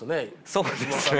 そうですね。